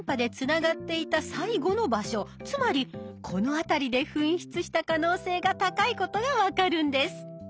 つまりこの辺りで紛失した可能性が高いことが分かるんです。